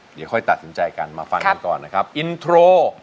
เดี๋ยวค่อยตัดสินใจกันมาฟังกันก่อนนะครับอินโทร